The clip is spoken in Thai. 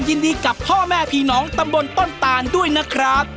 ยินดีกับพ่อแม่พี่น้องตำบลต้นตานด้วยนะครับ